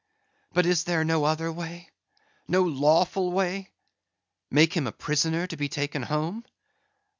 —But is there no other way? no lawful way?—Make him a prisoner to be taken home?